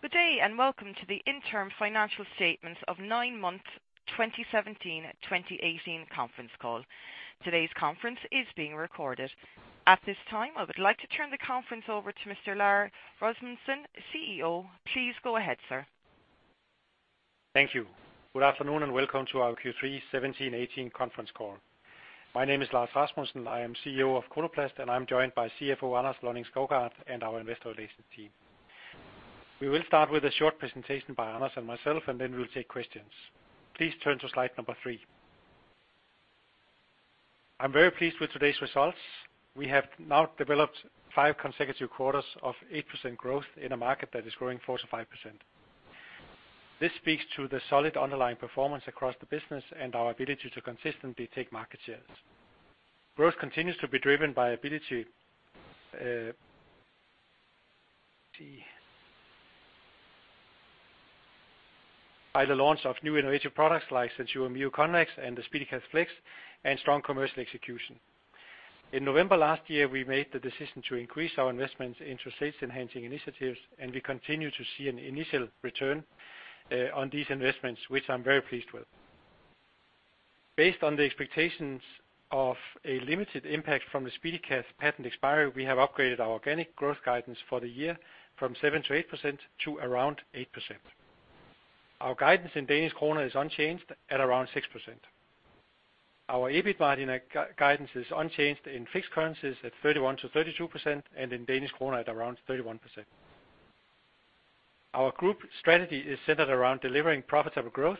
Good day, and welcome to the interim financial statements of nine months 2017, 2018 conference call. Today's conference is being recorded. At this time, I would like to turn the conference over to Mr. Lars Rasmussen, CEO. Please go ahead, sir. Thank you. Good afternoon, and welcome to our Q3 2017-2018 conference call. My name is Lars Rasmussen. I am CEO of Coloplast, and I'm joined by CFO Anders Lonning-Skovgaard, and our investor relations team. We will start with a short presentation by Anders and myself, and then we'll take questions. Please turn to slide number three. I'm very pleased with today's results. We have now developed five consecutive quarters of 8% growth in a market that is growing 4%-5%. This speaks to the solid underlying performance across the business and our ability to consistently take market shares. Growth continues to be driven By the launch of new innovative products like the SenSura Mio Convex and the SpeediCath Flex, and strong commercial execution. In November last year, we made the decision to increase our investments into sales-enhancing initiatives, and we continue to see an initial return on these investments, which I'm very pleased with. Based on the expectations of a limited impact from the SpeediCath patent expiry, we have upgraded our organic growth guidance for the year from 7%-8% to around 8%. Our guidance in Danish kroner is unchanged at around 6%. Our EBIT margin guidance is unchanged in fixed currencies at 31%-32%, and in Danish kroner at around 31%. Our group strategy is centered around delivering profitable growth.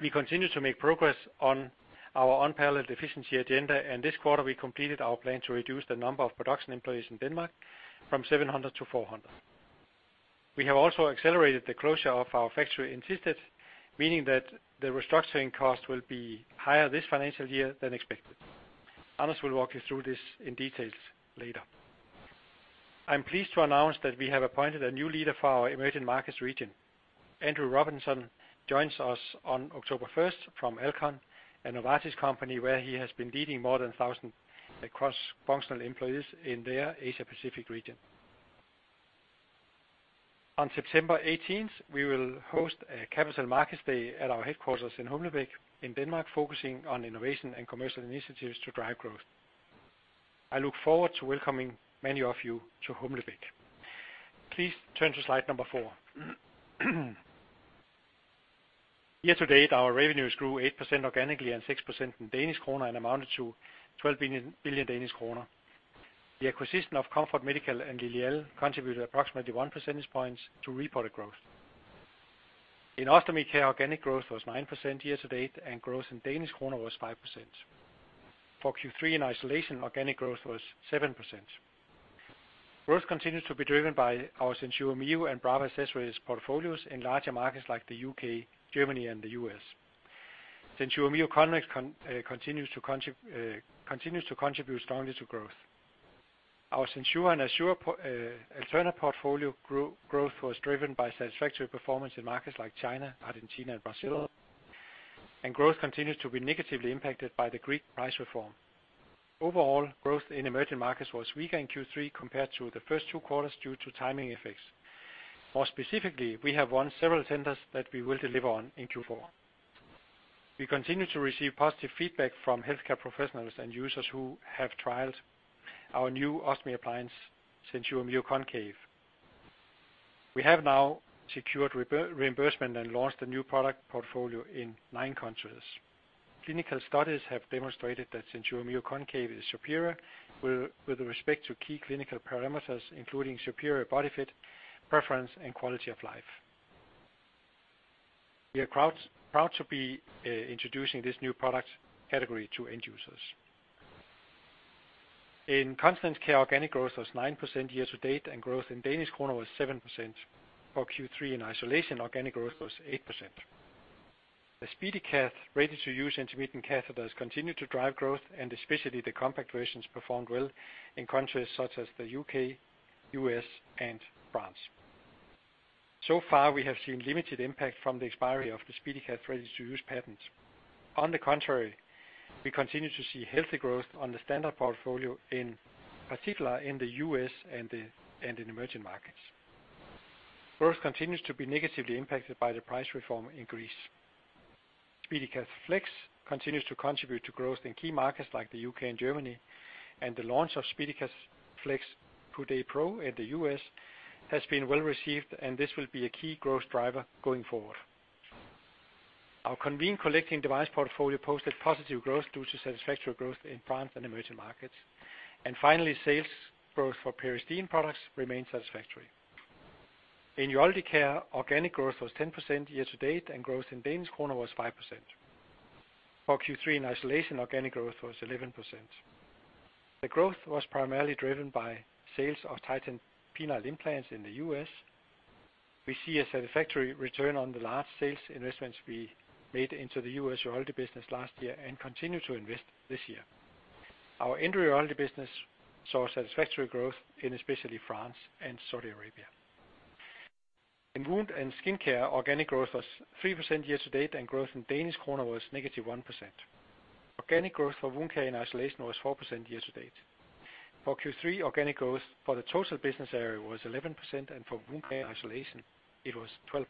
We continue to make progress on our unparalleled efficiency agenda, and this quarter, we completed our plan to reduce the number of production employees in Denmark from 700 to 400. We have also accelerated the closure of our factory in Thisted, meaning that the restructuring costs will be higher this financial year than expected. Anders will walk you through this in details later. I'm pleased to announce that we have appointed a new leader for our emerging markets region. Andrew Robinson joins us on October 1st from Alcon, a Novartis company, where he has been leading more than 1,000 cross-functional employees in their Asia Pacific region. On September 18th, we will host a capital markets day at our headquarters in Humlebæk in Denmark, focusing on innovation and commercial initiatives to drive growth. I look forward to welcoming many of you to Humlebæk. Please turn to slide number 4. year-to-date, our revenues grew 8% organically and 6% in DKK, and amounted to 12 billion Danish kroner. The acquisition of Comfort Medical and Lilial contributed approximately 1 percentage points to reported growth. In Ostomy Care, organic growth was 9% year-to-date, growth in Danish kroner was 5%. For Q3, in isolation, organic growth was 7%. Growth continues to be driven by our SenSura Mio and Brava accessories portfolios in larger markets like the UK, Germany, and the U.S. SenSura Mio Convex continues to contribute strongly to growth. Our SenSura and Assura Alterna portfolio growth was driven by satisfactory performance in markets like China, Argentina, and Brazil, growth continues to be negatively impacted by the Greek price reform. Overall, growth in emerging markets was weaker in Q3 compared to the first two quarters due to timing effects. More specifically, we have won several tenders that we will deliver on in Q4. We continue to receive positive feedback from healthcare professionals and users who have trialed our new ostomy appliance, SenSura Mio Concave. We have now secured reimbursement and launched a new product portfolio in nine countries. Clinical studies have demonstrated that SenSura Mio Concave is superior with respect to key clinical parameters, including superior body fit, preference, and quality of life. We are proud to be introducing this new product category to end users. In Continence Care, organic growth was 9% year-to-date, and growth in Danish kroner was 7%. For Q3, in isolation, organic growth was 8%. The SpeediCath ready-to-use intermittent catheters continued to drive growth, and especially the compact versions performed well in countries such as the U.K., U.S., and France. So far, we have seen limited impact from the expiry of the SpeediCath ready-to-use patent. We continue to see healthy growth on the standard portfolio, in particular in the US and in emerging markets. Growth continues to be negatively impacted by the price reform in Greece. SpeediCath Flex continues to contribute to growth in key markets like the U.K. and Germany. The launch of SpeediCath Flex Coudé Pro in the U.S. has been well received, and this will be a key growth driver going forward. Our Conveen collecting device portfolio posted positive growth due to satisfactory growth in France and emerging markets. Finally, sales growth for Peristeen products remained satisfactory. In Urology Care, organic growth was 10% year-to-date. Growth in Danish kroner was 5%. For Q3, in isolation, organic growth was 11%. The growth was primarily driven by sales of Titan penile implants in the U.S. We see a satisfactory return on the large sales investments we made into the U.S. urology business last year, and continue to invest this year. Our end urology business saw satisfactory growth in especially France and Saudi Arabia. In Wound & Skin Care, organic growth was 3% year-to-date, and growth in Danish kroner was -1%. Organic growth for wound care and isolation was 4% year-to-date. For Q3, organic growth for the total business area was 11%, and for wound care and isolation, it was 12%.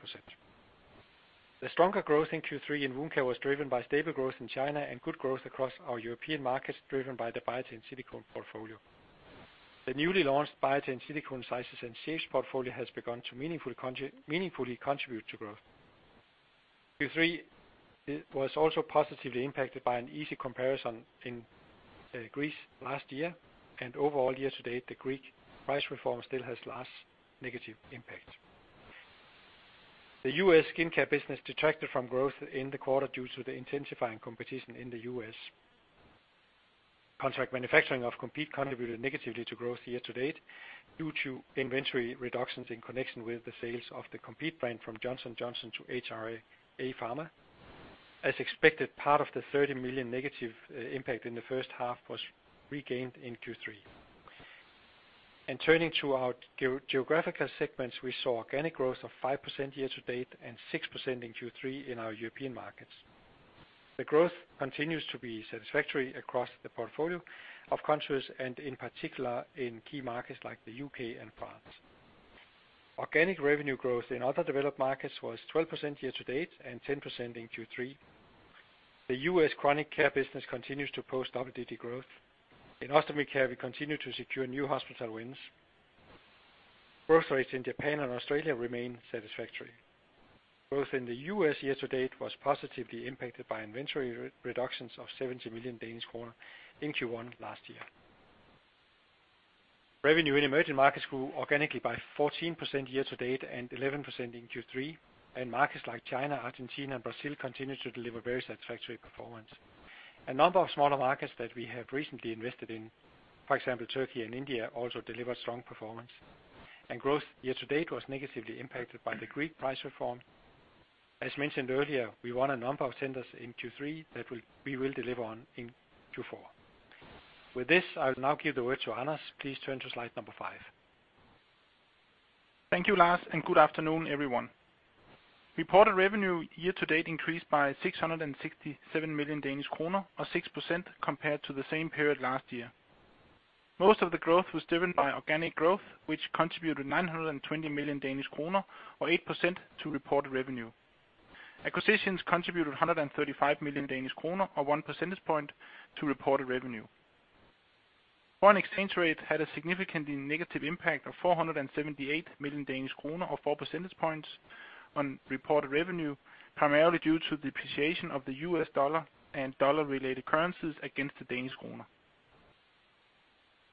The stronger growth in Q3 in wound care was driven by stable growth in China and good growth across our European markets, driven by the Biatain Silicone portfolio. The newly launched Biatain Silicone sizes and shapes portfolio has begun to meaningfully contribute to growth. Q3 was also positively impacted by an easy comparison in Greece last year. Overall, year-to-date, the Greek price reform still has last negative impact. The U.S. skincare business detracted from growth in the quarter due to the intensifying competition in the U.S. Contract manufacturing of Compeed contributed negatively to growth year-to-date, due to inventory reductions in connection with the sales of the Compeed brand from Johnson & Johnson to HRA Pharma. As expected, part of the 30 million negative impact in the first half was regained in Q3. Turning to our geographical segments, we saw organic growth of 5% year-to-date and 6% in Q3 in our European markets. The growth continues to be satisfactory across the portfolio of countries, and in particular, in key markets like the U.K. and France. Organic revenue growth in other developed markets was 12% year-to-date, and 10% in Q3. The U.S. chronic care business continues to post double-digit growth. In Ostomy Care, we continue to secure new hospital wins. Growth rates in Japan and Australia remain satisfactory. Growth in the U.S. year-to-date was positively impacted by inventory reductions of 70 million Danish kroner in Q1 last year. Revenue in emerging markets grew organically by 14% year-to-date and 11% in Q3, and markets like China, Argentina, and Brazil continue to deliver very satisfactory performance. A number of smaller markets that we have recently invested in, for example, Turkey and India, also delivered strong performance, and growth year-to-date was negatively impacted by the Greek price reform. As mentioned earlier, we won a number of tenders in Q3 that we will deliver on in Q4. With this, I will now give the word to Anders. Please turn to slide number 5. Thank you, Lars. Good afternoon, everyone. Reported revenue year-to-date increased by 667 million Danish kroner, or 6% compared to the same period last year. Most of the growth was driven by organic growth, which contributed 920 million Danish kroner, or 8% to reported revenue. Acquisitions contributed 135 million Danish kroner, or 1 percentage point, to reported revenue. Foreign exchange rate had a significantly negative impact of 478 million Danish kroner, or 4 percentage points, on reported revenue, primarily due to the depreciation of the US dollar and dollar-related currencies against the Danish kroner.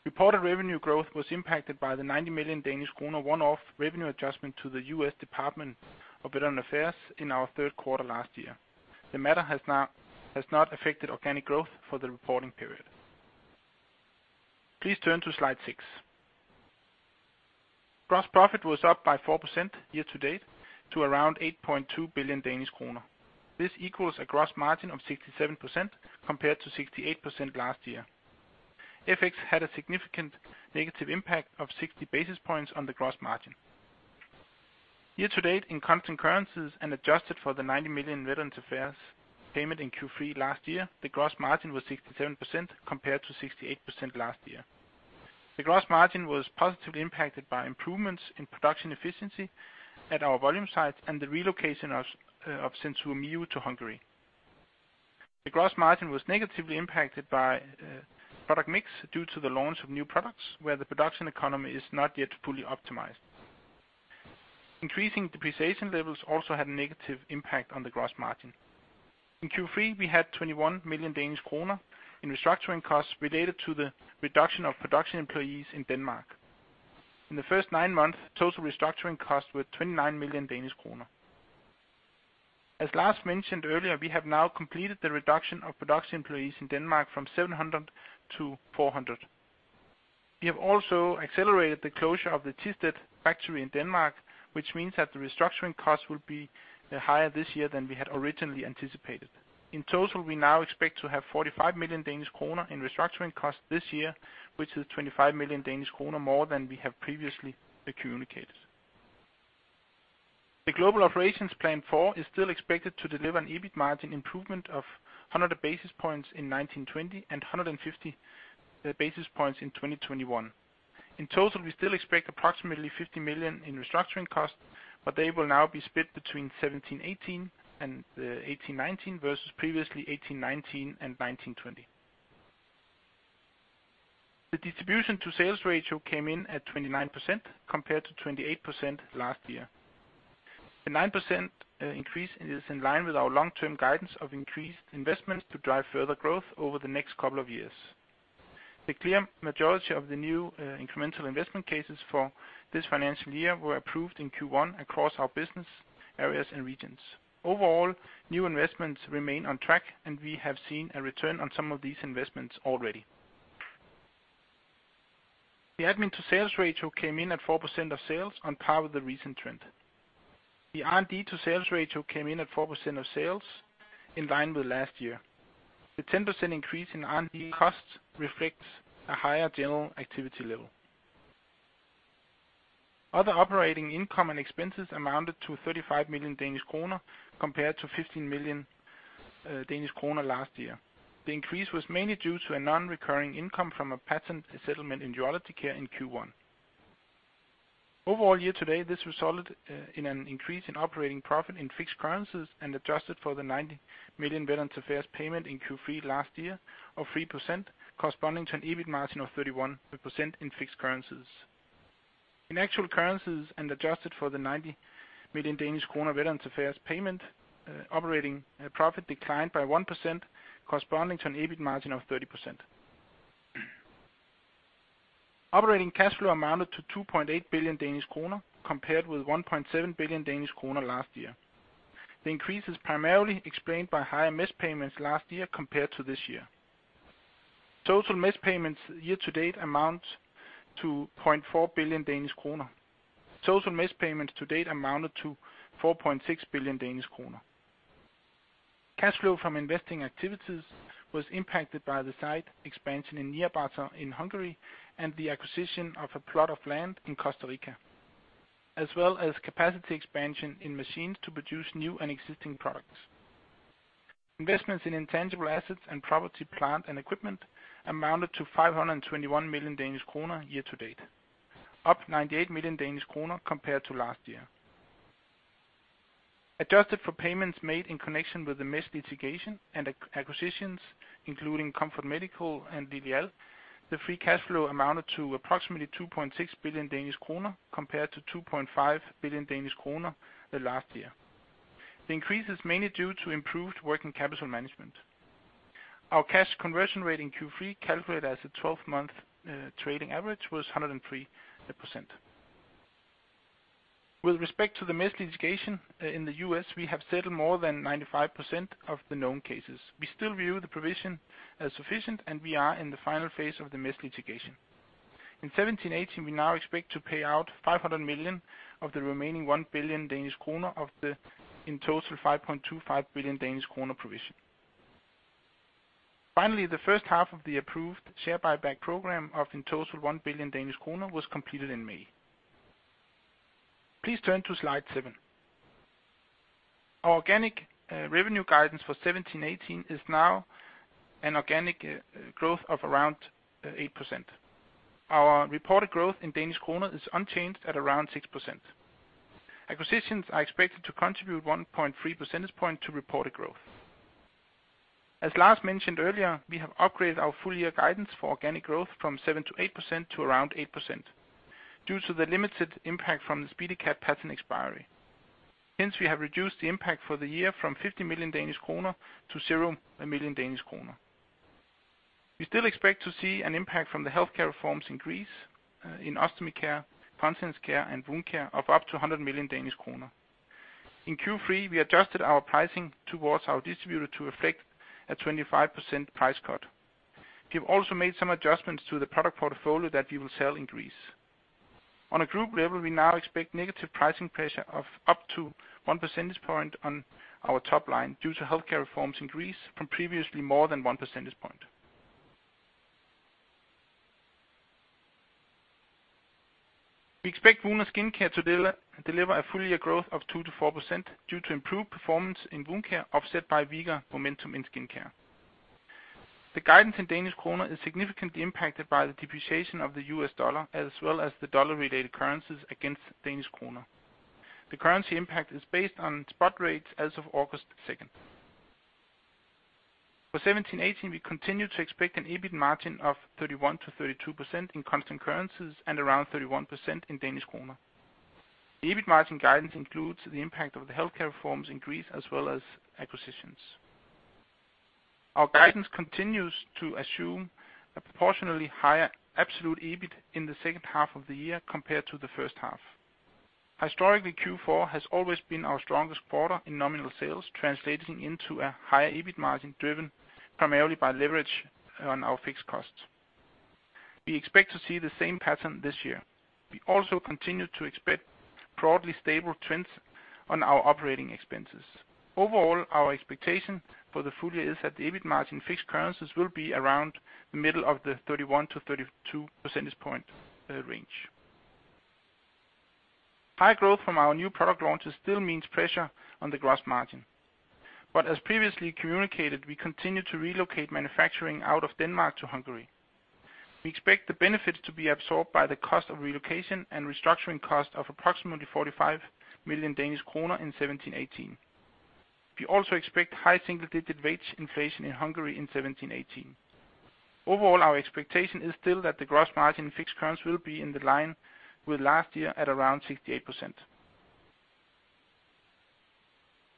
Reported revenue growth was impacted by the 90 million Danish kroner one-off revenue adjustment to the U.S. Department of Veterans Affairs in our third quarter last year. The matter has not affected organic growth for the reporting period. Please turn to slide 6. Gross profit was up by 4% year-to-date to around 8.2 billion Danish kroner. This equals a gross margin of 67%, compared to 68% last year. FX had a significant negative impact of 60 basis points on the gross margin. year-to-date, in constant currencies and adjusted for the 90 million Veterans Affairs payment in Q3 last year, the gross margin was 67%, compared to 68% last year. The gross margin was positively impacted by improvements in production efficiency at our volume sites and the relocation of SenSura Mio to Hungary. The gross margin was negatively impacted by product mix due to the launch of new products, where the production economy is not yet fully optimized. Increasing depreciation levels also had a negative impact on the gross margin. In Q3, we had 21 million Danish kroner in restructuring costs related to the reduction of production employees in Denmark. In the first nine months, total restructuring costs were 29 million Danish kroner. As Lars mentioned earlier, we have now completed the reduction of production employees in Denmark from 700 to 400. We have also accelerated the closure of the Thisted factory in Denmark, which means that the restructuring costs will be higher this year than we had originally anticipated. In total, we now expect to have 45 million Danish kroner in restructuring costs this year, which is 25 million Danish kroner more than we have previously communicated. The Global Operations Plan 4 is still expected to deliver an EBIT margin improvement of 100 basis points in 1920 and 150 basis points in 2021. In total, we still expect approximately 50 million in restructuring costs, but they will now be split between 2017-2018 and 2018-2019 versus previously 2018-2019 and 2019-2020. The distribution to sales ratio came in at 29%, compared to 28% last year. The 9% increase is in line with our long-term guidance of increased investments to drive further growth over the next couple of years. The clear majority of the new incremental investment cases for this financial year were approved in Q1 across our business areas and regions. New investments remain on track, and we have seen a return on some of these investments already. The admin to sales ratio came in at 4% of sales, on par with the recent trend. The R&D to sales ratio came in at 4% of sales, in line with last year. The 10% increase in R&D costs reflects a higher general activity level. Other operating income and expenses amounted to 35 million Danish kroner, compared to 15 million Danish kroner last year. The increase was mainly due to a non-recurring income from a patent settlement in Urology Care in Q1. Overall, year-to-date, this resulted in an increase in operating profit in fixed currencies and adjusted for the 90 million Veterans Affairs payment in Q3 last year of 3%, corresponding to an EBIT margin of 31% in fixed currencies. In actual currencies and adjusted for the 90 million Danish kroner Veterans Affairs payment, operating profit declined by 1%, corresponding to an EBIT margin of 30%. Operating cash flow amounted to 2.8 billion Danish kroner, compared with 1.7 billion Danish kroner last year. The increase is primarily explained by higher mesh payments last year compared to this year. Total mesh payments year-to-date amount to 0.4 billion Danish kroner. Total mesh payments to date amounted to 4.6 billion Danish kroner. Cash flow from investing activities was impacted by the site expansion in Nyírbátor in Hungary, and the acquisition of a plot of land in Costa Rica, as well as capacity expansion in machines to produce new and existing products. Investments in intangible assets and property, plant, and equipment amounted to 521 million Danish kroner year-to-date, up 98 million Danish kroner compared to last year. Adjusted for payments made in connection with the mesh litigation and acquisitions, including Comfort Medical and Lilial, the free cash flow amounted to approximately 2.6 billion Danish kroner compared to 2.5 billion Danish kroner last year. The increase is mainly due to improved working capital management. Our cash conversion rate in Q3, calculated as a twelve-month trading average, was 103%. With respect to the mesh litigation in the US, we have settled more than 95% of the known cases. We still view the provision as sufficient, and we are in the final phase of the mesh litigation. In 2017-2018, we now expect to pay out 500 million of the remaining 1 billion Danish kroner of the, in total, 5.25 billion Danish kroner provision. Finally, the first half of the approved share buyback program of, in total, 1 billion Danish kroner was completed in May. Please turn to slide 7. Our organic revenue guidance for 2017-2018 is now an organic growth of around 8%. Our reported growth in Danish kroner is unchanged at around 6%. Acquisitions are expected to contribute 1.3 percentage point to reported growth. As Lars mentioned earlier, we have upgraded our full year guidance for organic growth from 7%-8% to around 8% due to the limited impact from the SpeediCath patent expiry. We have reduced the impact for the year from 50 million-0 million Danish kroner. We still expect to see an impact from the healthcare reforms in Greece, in Ostomy Care, Continence Care, and Wound Care of up to 100 million Danish kroner. In Q3, we adjusted our pricing towards our distributor to reflect a 25% price cut. We've also made some adjustments to the product portfolio that we will sell in Greece. On a group level, we now expect negative pricing pressure of up to 1 percentage point on our top line due to healthcare reforms in Greece from previously more than 1 percentage point. We expect Wound & Skin Care to deliver a full year growth of 2%-4% due to improved performance in Wound care, offset by weaker momentum in skincare. The guidance in Danish kroner is significantly impacted by the depreciation of the US dollar, as well as the dollar-related currencies against Danish kroner. The currency impact is based on spot rates as of August 2nd. For 2017-2018, we continue to expect an EBIT margin of 31%-32% in constant currencies and around 31% in Danish kroner. The EBIT margin guidance includes the impact of the healthcare reforms in Greece, as well as acquisitions. Our guidance continues to assume a proportionally higher absolute EBIT in the second half of the year compared to the first half. Historically, Q4 has always been our strongest quarter in nominal sales, translating into a higher EBIT margin, driven primarily by leverage on our fixed costs. We expect to see the same pattern this year. We also continue to expect broadly stable trends on our operating expenses. Overall, our expectation for the full year is that the EBIT margin in fixed currencies will be around the middle of the 31-32 percentage point range. High growth from our new product launches still means pressure on the gross margin. As previously communicated, we continue to relocate manufacturing out of Denmark to Hungary. We expect the benefits to be absorbed by the cost of relocation and restructuring cost of approximately 45 million Danish kroner in 2017-2018. We also expect high single-digit wage inflation in Hungary in 2017/2018. Overall, our expectation is still that the gross margin in fixed currency will be in the line with last year at around 68%.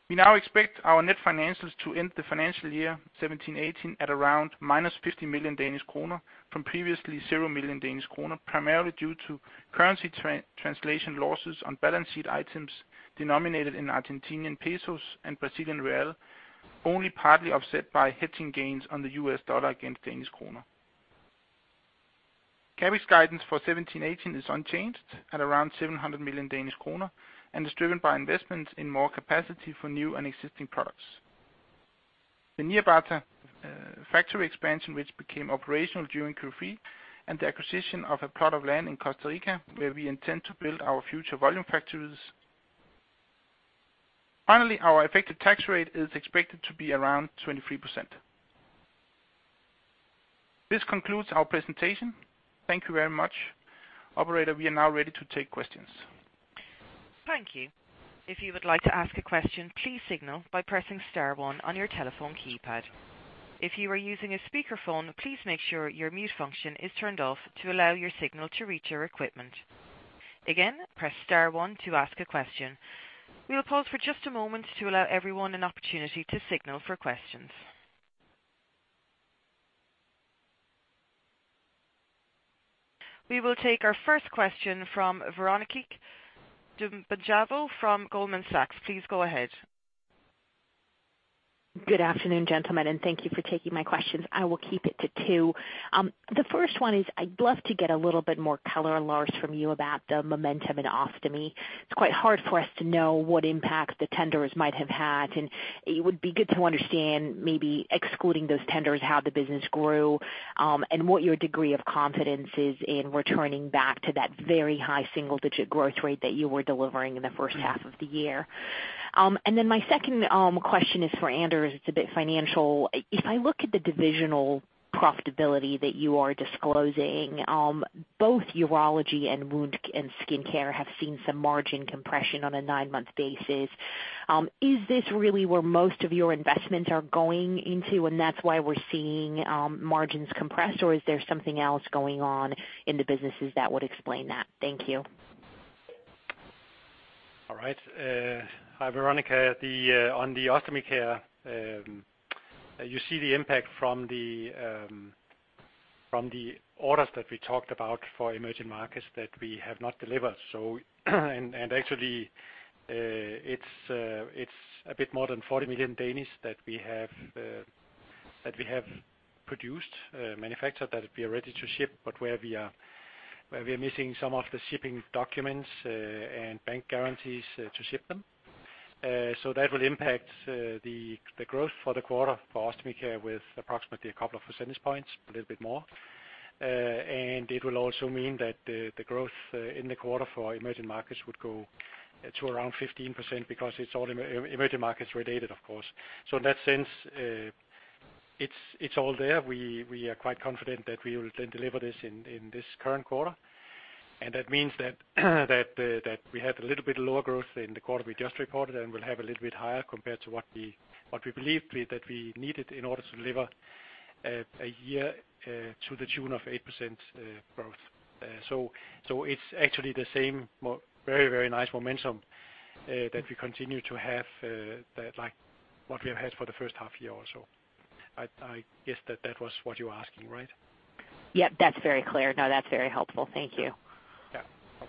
We now expect our net financials to end the financial year 2017 2018 at around -50 million Danish kroner from previously 0 million Danish kroner, primarily due to currency translation losses on balance sheet items denominated in Argentinian pesos and Brazilian real, only partly offset by hedging gains on the US dollar against Danish kroner. Coloplast's guidance for 2017, 2018 is unchanged at around 700 million Danish kroner, and is driven by investments in more capacity for new and existing products. The Nyírbátor factory expansion, which became operational during Q3, and the acquisition of a plot of land in Costa Rica, where we intend to build our future volume factories. Finally, our effective tax rate is expected to be around 23%. This concludes our presentation. Thank you very much. Operator, we are now ready to take questions. Thank you. If you would like to ask a question, please signal by pressing star one on your telephone keypad. If you are using a speakerphone, please make sure your mute function is turned off to allow your signal to reach your equipment. Again, press star one to ask a question. We will pause for just a moment to allow everyone an opportunity to signal for questions. We will take our first question from Veronika Dubajova from Goldman Sachs. Please go ahead. Good afternoon, gentlemen. Thank you for taking my questions. I will keep it to two. The first one is I'd love to get a little bit more color, Lars, from you about the momentum in Ostomy. It's quite hard for us to know what impact the tenders might have had. It would be good to understand, maybe excluding those tenders, how the business grew, and what your degree of confidence is in returning back to that very high single-digit growth rate that you were delivering in the first half of the year. My second question is for Anders. It's a bit financial. If I look at the divisional profitability that you are disclosing, both Interventional Urology and Wound & Skin Care have seen some margin compression on a 9-month basis. Is this really where most of your investments are going into, and that's why we're seeing margins compress, or is there something else going on in the businesses that would explain that? Thank you. All right. Hi, Veronica. The on the Ostomy Care, you see the impact from the from the orders that we talked about for emerging markets that we have not delivered. Actually, it's a bit more than 40 million that we have produced, manufactured, that we are ready to ship, but where we are missing some of the shipping documents and bank guarantees to ship them. That will impact the growth for the quarter for Ostomy Care with approximately a couple of percentage points, a little bit more. It will also mean that the growth in the quarter for emerging markets would go to around 15% because it's all emerging markets related, of course. In that sense, it's all there. We are quite confident that we will then deliver this in this current quarter, and that means that we have a little bit lower growth in the quarter we just reported, and we'll have a little bit higher compared to what we believed that we needed in order to deliver a year to the tune of 8% growth. It's actually the same very, very nice momentum that we continue to have, like what we have had for the first half year or so. I guess that was what you were asking, right? Yep, that's very clear. That's very helpful. Thank you. Yeah.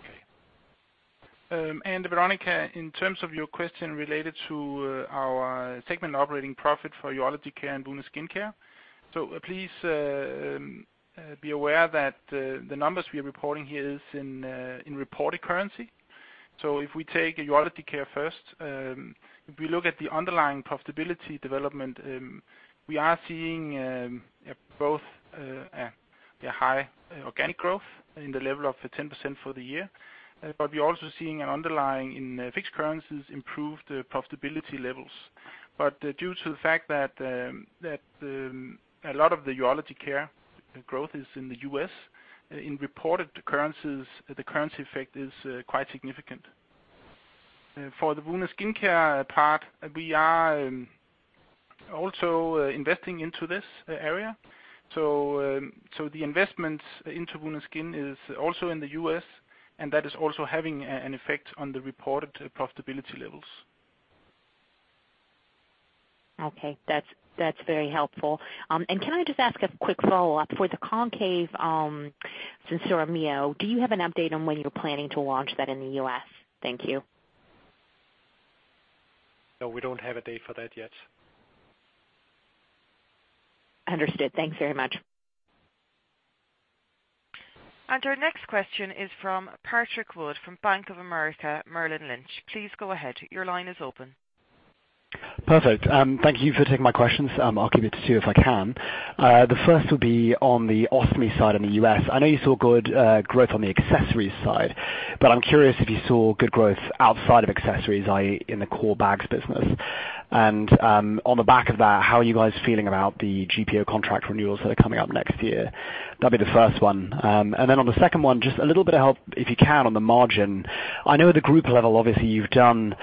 Okay. Veronica, in terms of your question related to our segment operating profit for Urology Care and Wound & Skin Care. Please be aware that the numbers we are reporting here is in reported currency. If we take Urology Care first, if we look at the underlying profitability development, we are seeing both high organic growth in the level of the 10% for the year. We're also seeing an underlying in fixed currencies, improved profitability levels. Due to the fact that a lot of the Urology Care growth is in the U.S., in reported currencies, the currency effect is quite significant. For the Wound & Skin Care part, we are also investing into this area. The investment into Wound and Skin is also in the U.S., and that is also having an effect on the reported profitability levels. Okay, that's very helpful. Can I just ask a quick follow-up? For the Concave, SenSura Mio, do you have an update on when you're planning to launch that in the U.S.? Thank you. No, we don't have a date for that yet. Understood. Thanks very much. Our next question is from Patrick Wood, from Bank of America Merrill Lynch. Please go ahead. Your line is open. Perfect. Thank you for taking my questions. I'll keep it to 2, if I can. The first will be on the Ostomy side in the U.S. I know you saw good growth on the accessories side, but I'm curious if I saw good growth outside of accessories, i.e., in the core bags business. On the back of that, how are you guys feeling about the GPO contract renewals that are coming up next year? That'd be the first one. Then on the second one, just a little bit of help, if you can, on the margin. I know at the group level, obviously, you've done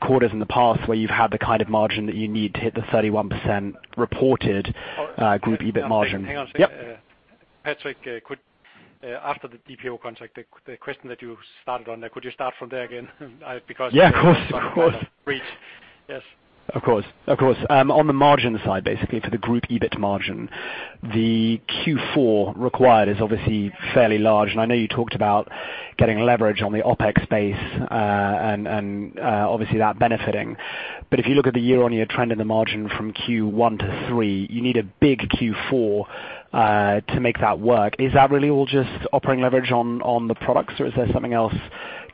quarters in the past where you've had the kind of margin that you need to hit the 31% reported group EBIT margin. Hang on a second. Yep. Patrick, could after the DPO contract, the question that you started on there, could you start from there again? Yeah, of course. Of course. Yes. Of course, of course. On the margin side, basically, for the group EBIT margin, the Q4 required is obviously fairly large, and I know you talked about getting leverage on the OpEx space, and obviously that benefiting. If you look at the year-on-year trend in the margin from Q1 to Q3, you need a big Q4 to make that work. Is that really all just operating leverage on the products, or is there something else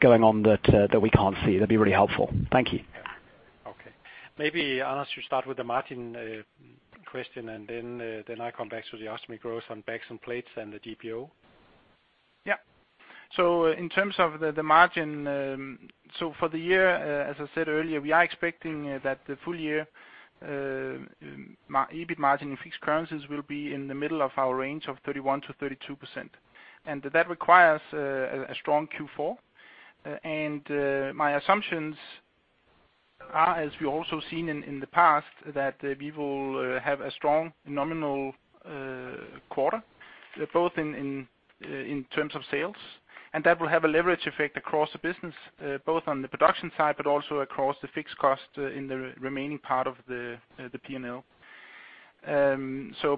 going on that we can't see? That'd be really helpful. Thank you. Okay. Maybe, Anders, you start with the margin question, then I come back to the Ostomy growth on bags and plates and the GPO. Yeah. In terms of the margin, for the year, as I said earlier, we are expecting that the full year EBIT margin in fixed currencies will be in the middle of our range of 31%-32%. That requires a strong Q4. My assumptions are, as we also seen in the past, that we will have a strong nominal quarter, both in terms of sales. That will have a leverage effect across the business, both on the production side, but also across the fixed cost in the remaining part of the P&L.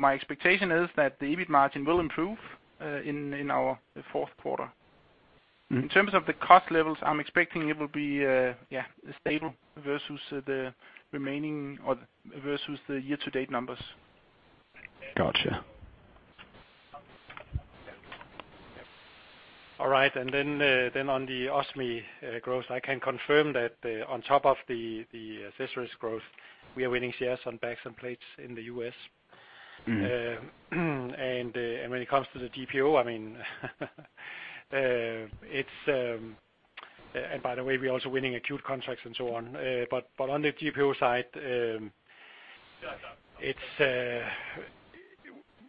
My expectation is that the EBIT margin will improve in our fourth quarter. Mm-hmm. In terms of the cost levels, I'm expecting it will be, yeah, stable versus the remaining or versus the year-to-date numbers. Gotcha. All right. Then on the ostomy growth, I can confirm that on top of the accessories growth, we are winning shares on bags and plates in the U.S. Mm-hmm. When it comes to the GPO, I mean, by the way, we're also winning acute contracts and so on. On the GPO side,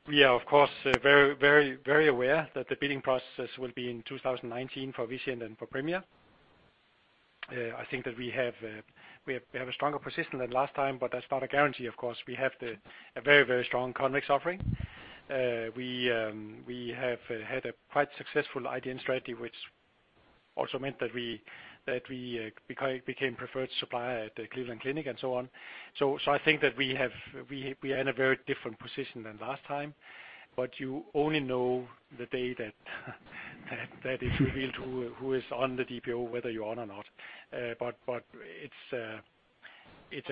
we are, of course, very, very, very aware that the bidding processes will be in 2019 for Vizient and for Premier. I think that we have a stronger position than last time, but that's not a guarantee, of course. We have a very, very strong convex offering. We have had a quite successful IDN strategy, which also meant that we became preferred supplier at the Cleveland Clinic and so on. I think that we are in a very different position than last time. You only know the day that it's revealed who is on the GPO, whether you're on or not. It's a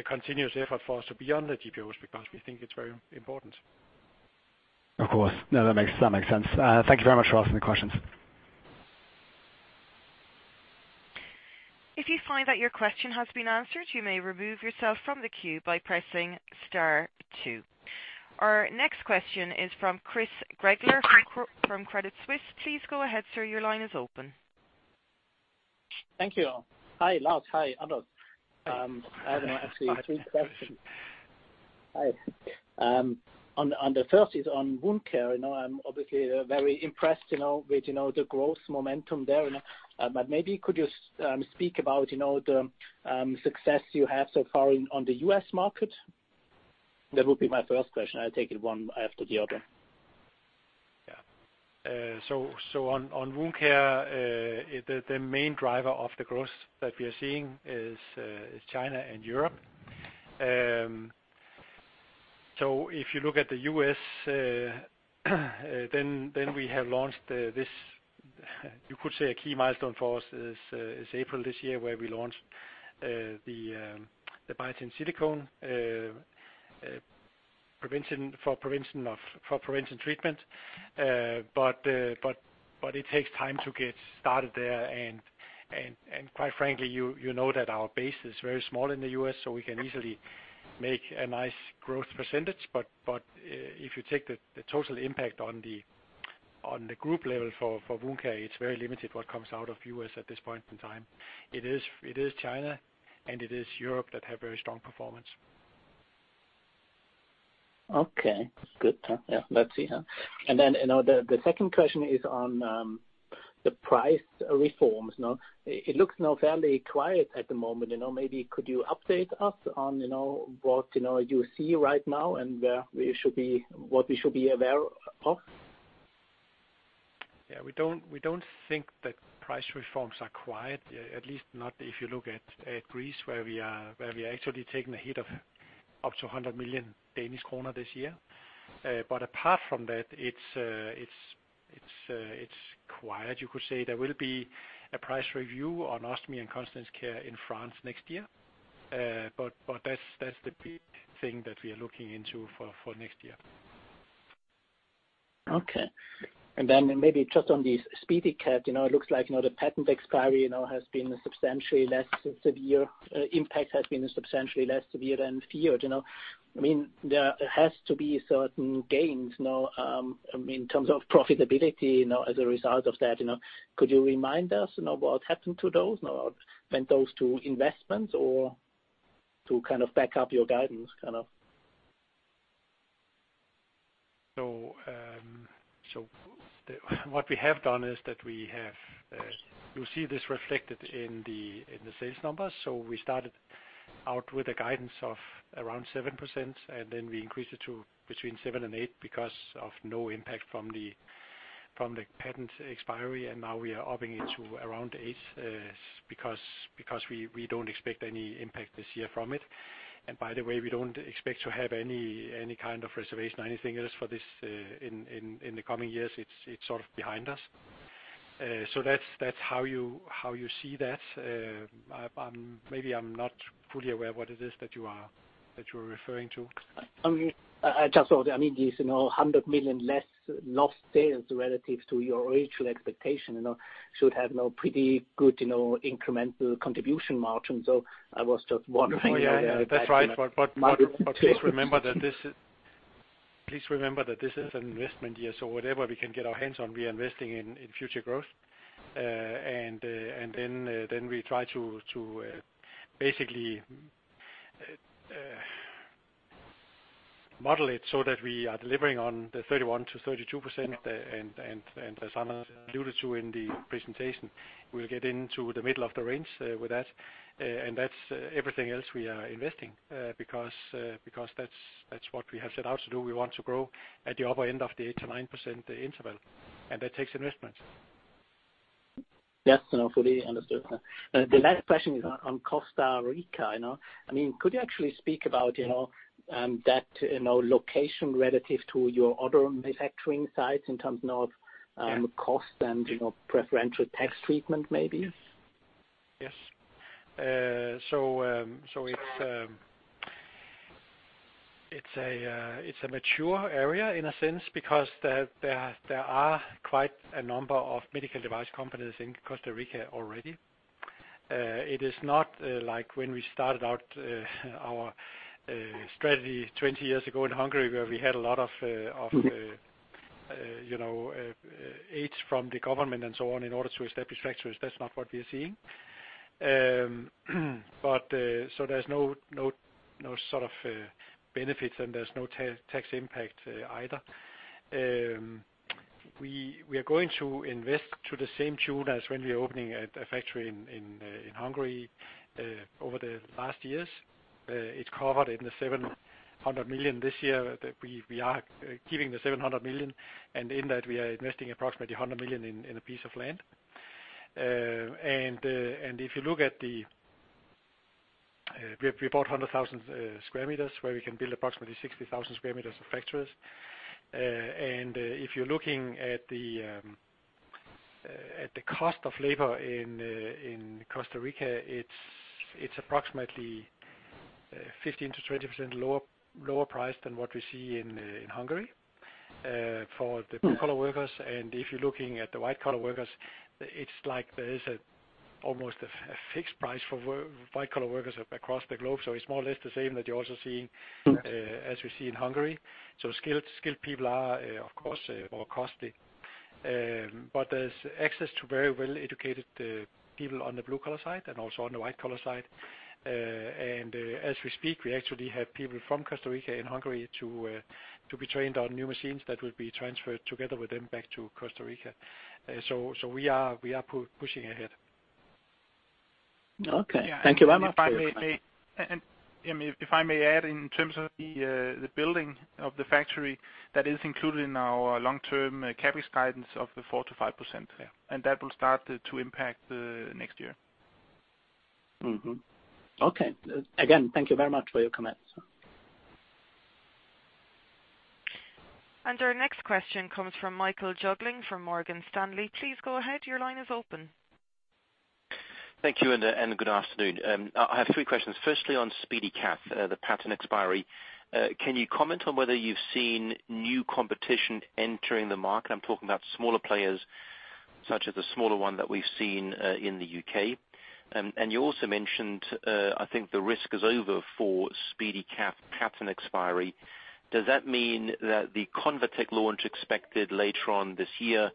continuous effort for us to be on the GPOs because we think it's very important. Of course. No, that makes, that makes sense. Thank you very much for answering the questions. If you find that your question has been answered, you may remove yourself from the queue by pressing star 2. Our next question is from Chris Gretler from Credit Suisse. Please go ahead, sir. Your line is open. Thank you. Hi, Lars. Hi, Anders. I have actually three questions. Hi, on the first is on Wound Care. You know, I'm obviously very impressed, you know, with, you know, the growth momentum there. Maybe could you speak about, you know, the success you have so far in, on the U.S. market? That would be my first question. I'll take it one after the other. Yeah. On Wound Care, the main driver of the growth that we are seeing is China and Europe. If you look at the U.S., then we have launched this, you could say, a key milestone for us is April this year, where we launched the Biatain Silicone, prevention, for prevention treatment. It takes time to get started there. And quite frankly, you know that our base is very small in the U.S., we can easily make a nice growth percentage. If you take the total impact on the group level for Wound Care, it's very limited what comes out of U.S. at this point in time. It is China, and it is Europe that have very strong performance. Okay, good. Yeah, let's see, huh? You know, the second question is on the price reforms, no? It looks now fairly quiet at the moment, you know. Maybe could you update us on, you know, what, you know, you see right now, and where we should be, what we should be aware of? We don't think that price reforms are quiet, at least not if you look at Greece, where we are actually taking a hit of up to 100 million Danish kroner this year. Apart from that, it's quiet, you could say. There will be a price review on Ostomy Care and Continence Care in France next year. That's the big thing that we are looking into for next year. Okay. Maybe just on the SpeediCath, you know, it looks like, you know, the patent expiry, you know, has been substantially less severe, impact has been substantially less severe than feared, you know. I mean, there has to be certain gains now, in terms of profitability, you know, as a result of that, you know. Could you remind us, you know, what happened to those, you know, went those 2 investments or to kind of back up your guidance, kind of? What we have done is that you'll see this reflected in the sales numbers. We started out with a guidance of around 7%, and then we increased it to between 7% and 8% because of no impact from the patent expiry, and now we are upping it to around 8% because we don't expect any impact this year from it. We don't expect to have any kind of reservation or anything else for this in the coming years. It's sort of behind us. That's how you see that? Maybe I'm not fully aware of what it is that you're referring to. I mean, I just thought, I mean, these, you know, 100 million less lost sales relative to your original expectation, you know, should have known pretty good, you know, incremental contribution margin. I was just wondering. Yeah, that's right. Please remember that this is an investment year, so whatever we can get our hands on, we are investing in future growth. Then we try to basically model it so that we are delivering on the 31%-32%. As Anna alluded to in the presentation, we'll get into the middle of the range, with that. That's everything else we are investing, because that's what we have set out to do. We want to grow at the upper end of the 8%-9% interval, and that takes investment. Yes, you know, fully understood. The last question is on Costa Rica, you know. I mean, could you actually speak about, you know, that, you know, location relative to your other manufacturing sites in terms of cost and, you know, preferential tax treatment, maybe? Yes. So it's a mature area in a sense, because there are quite a number of medical device companies in Costa Rica already. It is not like when we started out our strategy 20 years ago in Hungary, where we had a lot of, you know, aids from the government and so on in order to establish factories. That's not what we are seeing. So there's no sort of benefits, and there's no tax impact either. We are going to invest to the same tune as when we were opening a factory in Hungary over the last years. It's covered in the 700 million this year, that we are keeping the 700 million, and in that, we are investing approximately 100 million in a piece of land. If you look at the, we bought 100,000 sq meters, where we can build approximately 60,000sq meters of factories. If you're looking at the cost of labor in Costa Rica, it's approximately 15%-20% lower price than what we see in Hungary for the blue-collar workers. If you're looking at the white-collar workers, it's like there is almost a fixed price for white-collar workers across the globe. It's more or less the same that you're also seeing as we see in Hungary. Skilled people are, of course, more costly. There's access to very well-educated people on the blue-collar side and also on the white-collar side. As we speak, we actually have people from Costa Rica in Hungary to be trained on new machines that will be transferred together with them back to Costa Rica. We are pushing ahead. Okay, thank you very much. If I may add, in terms of the building of the factory, that is included in our long-term CapEx guidance of the 4%-5%. That will start to impact the next year. Okay. Again, thank you very much for your comments. Our next question comes from Michael Jüngling, from Morgan Stanley. Please go ahead. Your line is open. Thank you, good afternoon. I have 3 questions. Firstly, on SpeediCath, the patent expiry. Can you comment on whether you've seen new competition entering the market? I'm talking about smaller players, such as the smaller one that we've seen, in the U.K. You also mentioned, I think the risk is over for SpeediCath patent expiry. Does that mean that the ConvaTec launch expected later on this year,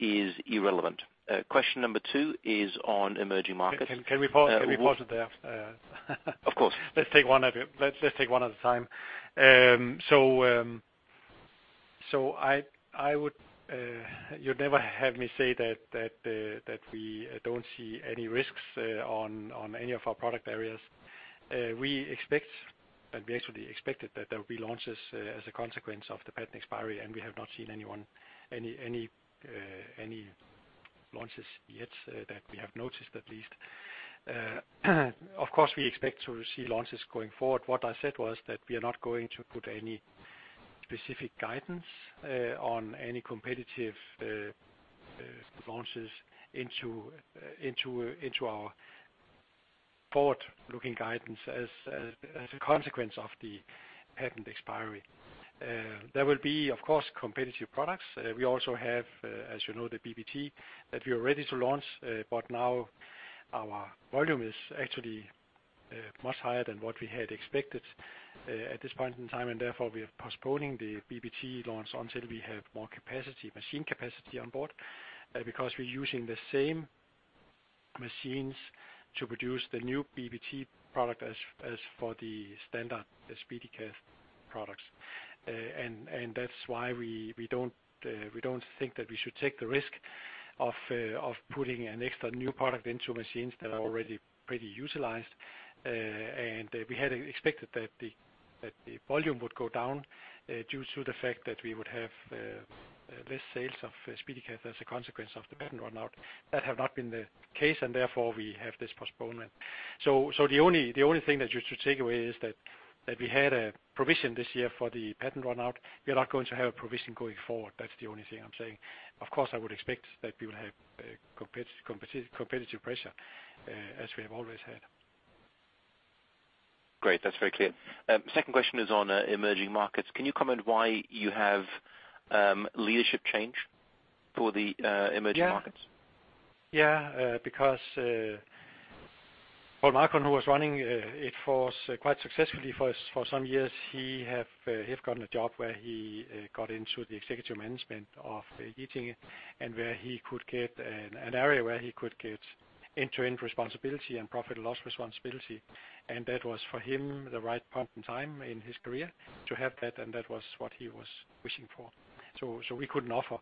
is irrelevant? Question number 2 is on emerging markets. Can we pause it there? Of course. Let's take one at a time. I would, you'd never have me say that we don't see any risks on any of our product areas. We expect, and we actually expected, that there will be launches as a consequence of the patent expiry, and we have not seen any launches yet that we have noticed at least. Of course, we expect to see launches going forward. What I said was that we are not going to put any specific guidance on any competitive launches into our forward-looking guidance as a consequence of the patent expiry. There will be, of course, competitive products. We also have, as you know, the BBT that we are ready to launch. Now our volume is actually much higher than what we had expected at this point in time, and therefore, we are postponing the BBT launch until we have more capacity, machine capacity on board. We're using the same machines to produce the new BBT product as for the standard SpeediCath products. That's why we don't think that we should take the risk of putting an extra new product into machines that are already pretty utilized. We had expected that the volume would go down due to the fact that we would have less sales of SpeediCath as a consequence of the patent run out. That have not been the case. Therefore, we have this postponement. The only thing that you should take away is that we had a provision this year for the patent run out. We are not going to have a provision going forward. That's the only thing I'm saying. Of course, I would expect that we would have competitive pressure as we have always had. Great. That's very clear. Second question is on Emerging Markets. Can you comment why you have leadership change for the Emerging Markets? Yeah. Yeah, because, well, Michael, who was running it for us quite successfully for us for some years, he have, he's gotten a job where he got into the executive management of Ge, and where he could get an area where he could get end-to-end responsibility and profit and loss responsibility. That was, for him, the right point in time in his career to have that, and that was what he was wishing for. We couldn't offer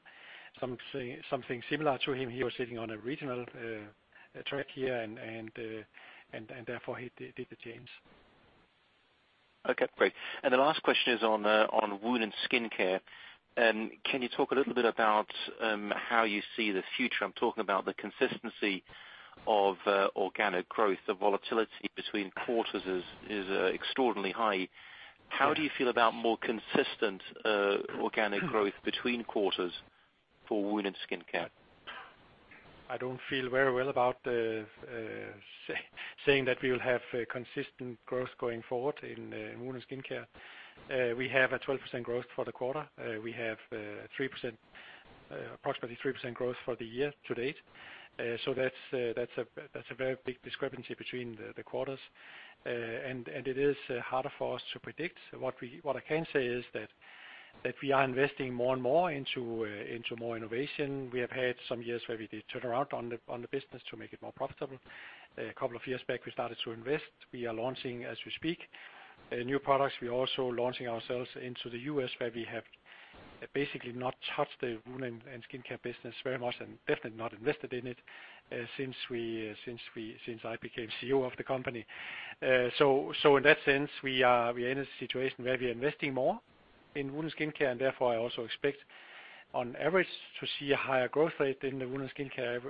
something similar to him. He was sitting on a regional track here, and therefore he did the change. Okay, great. The last question is on Wound & Skin Care. Can you talk a little bit about how you see the future? I'm talking about the consistency of organic growth. The volatility between quarters is extraordinarily high. How do you feel about more consistent organic growth between quarters for Wound & Skin Care? I don't feel very well about saying that we will have consistent growth going forward in Wound & Skin Care. We have a 12% growth for the quarter. We have 3%, approximately 3% growth for the year-to-date. That's a very big discrepancy between the quarters. It is harder for us to predict. What I can say is that we are investing more and more into more innovation. We have had some years where we did turnaround on the business to make it more profitable. A couple of years back, we started to invest. We are launching, as we speak, new products. We're also launching ourselves into the U.S., where we have basically not touched the Wound & Skin Care business very much, and definitely not invested in it since I became CEO of the company. In that sense, we are in a situation where we are investing more in Wound & Skin Care, therefore I also expect, on average, to see a higher growth rate in the Wound & Skin Care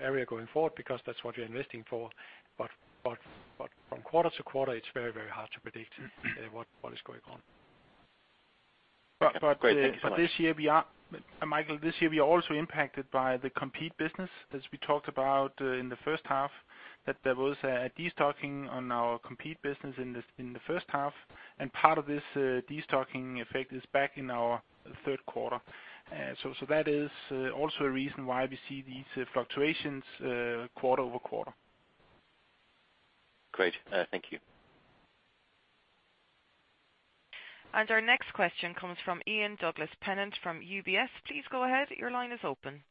area going forward, because that's what we're investing for. From quarter to quarter, it's very hard to predict what is going on. Great. Thank you so much. This year we are, Michael, this year, we are also impacted by the Compeed business. As we talked about, in the first half, that there was a destocking on our Compeed business in the first half, part of this destocking effect is back in our third quarter. That is also a reason why we see these fluctuations quarter-over-quarter. Great. Thank you. Our next question comes from Ian Douglas-Pennant from UBS. Please go ahead. Your line is open.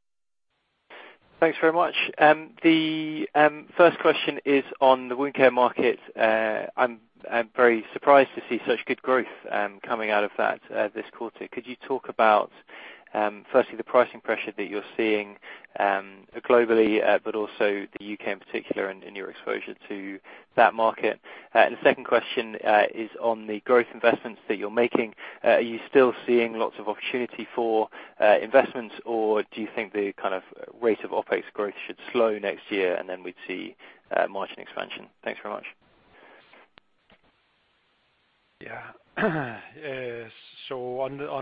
Thanks very much. The first question is on the wound care market. I'm very surprised to see such good growth coming out of that this quarter. Could you talk about firstly, the pricing pressure that you're seeing globally, but also the U.K. in particular, and your exposure to that market? The second question is on the growth investments that you're making. Are you still seeing lots of opportunity for investments, or do you think the kind of rate of OpEx growth should slow next year, and then we'd see margin expansion? Thanks very much. On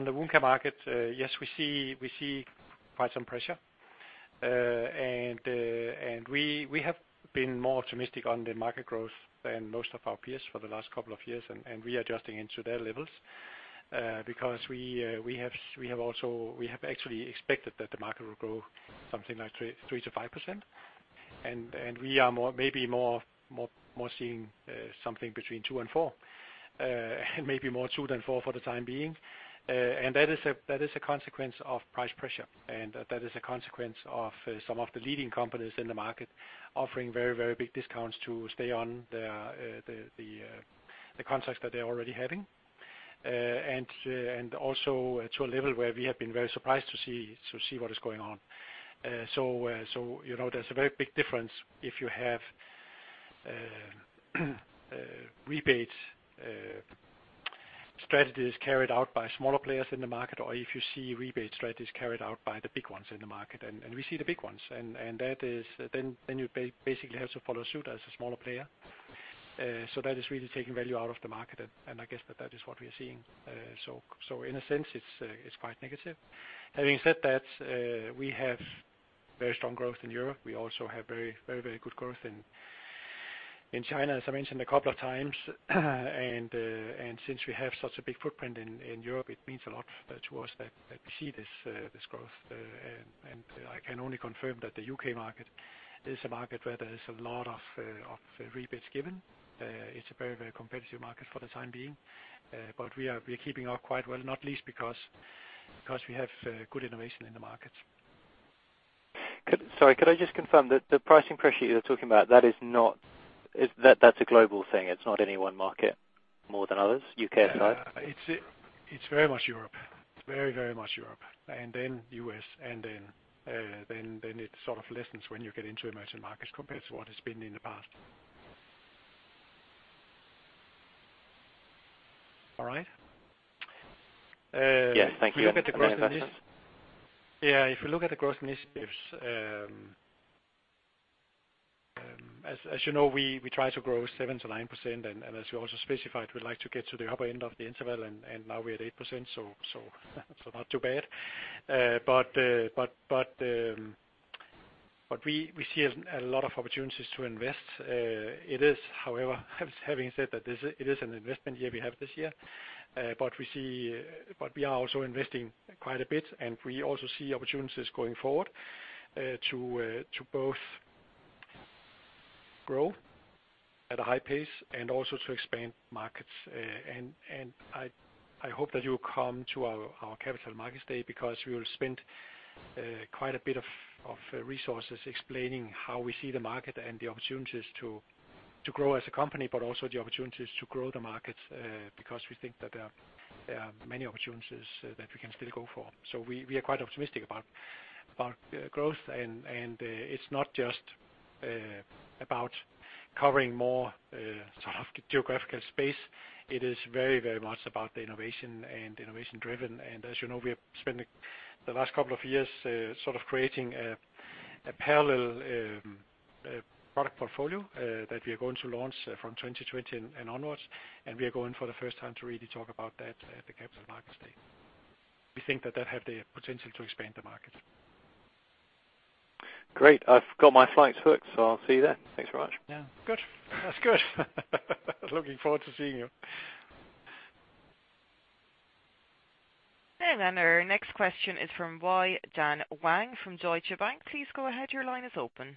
the wound care market, yes, we see quite some pressure. And we have been more optimistic on the market growth than most of our peers for the last couple of years, and we are adjusting into their levels. Because we have actually expected that the market will grow something like 3-5%. And we are more, maybe more seeing something between 2% and 4%, and maybe more 2% than 4% for the time being. And that is a consequence of price pressure, and that is a consequence of some of the leading companies in the market offering very, very big discounts to stay on the contracts that they're already having. Also to a level where we have been very surprised to see what is going on. You know, there's a very big difference if you have rebates strategies carried out by smaller players in the market, or if you see rebate strategies carried out by the big ones in the market, and we see the big ones. That is. Then you basically have to follow suit as a smaller player. That is really taking value out of the market, and I guess that that is what we're seeing. In a sense, it's quite negative. Having said that, we have very strong growth in Europe. We also have very good growth in China, as I mentioned a couple of times. Since we have such a big footprint in Europe, it means a lot to us that we see this growth. I can only confirm that the U.K. market is a market where there is a lot of rebates given. It's a very, very competitive market for the time being. We are keeping up quite well, not least because we have good innovation in the market. Sorry, could I just confirm that the pricing pressure you're talking about, that is that's a global thing, it's not any one market more than others, U.K. aside? It's very much Europe. It's very much Europe, and then U.S., and then it sort of lessens when you get into emerging markets compared to what it's been in the past. All right? Yeah, thank you. Yeah, if you look at the growth initiatives, as you know, we try to grow 7%-9%. As we also specified, we'd like to get to the upper end of the interval. Now we're at 8%, so not too bad. We see a lot of opportunities to invest. It is however, having said that, it is an investment year we have this year. We are also investing quite a bit, and we also see opportunities going forward to both grow at a high pace and also to expand markets. I hope that you'll come to our capital markets day, because we will spend quite a bit of resources explaining how we see the market and the opportunities to grow as a company, but also the opportunities to grow the markets because we think that there are many opportunities that we can still go for. We are quite optimistic about growth, and it's not just about covering more sort of geographical space. It is very, very much about the innovation and innovation driven. As you know, we have spent the last couple of years, sort of creating a parallel product portfolio, that we are going to launch from 2020 and onwards. We are going for the first time to really talk about that at the capital markets day. We think that have the potential to expand the market. Great. I've got my flights booked, so I'll see you there. Thanks very much. Yeah. Good. That's good. Looking forward to seeing you. Our next question is from Yi-Dan Wang from Deutsche Bank. Please go ahead, your line is open.